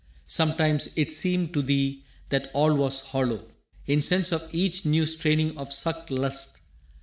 Sometimes it seemed to thee that all was hollow In sense in each new straining of sucked lust.